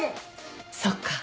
そっか。